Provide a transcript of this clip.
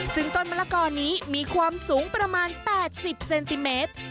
ซึ่งต้นมะละกอนี้มีความสูงประมาณ๘๐เซนติเมตร